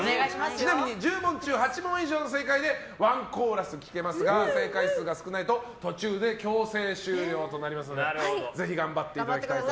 ちなみに１０問中８問以上正解でワンコーラス聴けますが正解数が少ないと途中で強制終了となりますのでぜひ頑張っていただいて。